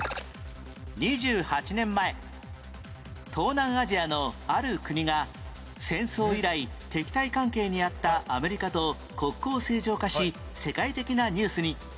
２８年前東南アジアのある国が戦争以来敵対関係にあったアメリカと国交正常化し世界的なニュースに